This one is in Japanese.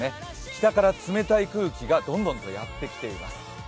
北から冷たい空気がどんどんとやってきています。